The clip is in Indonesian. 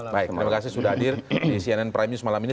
baik terima kasih sudah hadir di cnn prime news malam ini